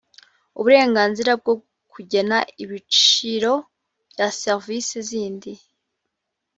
uburenganzira bwo kugena ibiciro bya serivisi zindi